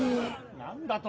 ・何だと？